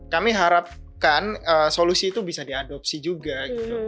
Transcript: kami harapkan solusi itu bisa diadopsi juga